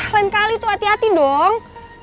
lain kali tuh hati hati dong